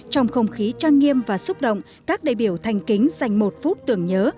trong không khí trang nghiêm và xúc động các đại biểu thành kính dành một phút tưởng nhớ